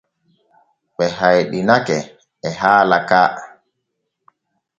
Ɓe hayɗinake e haala ka.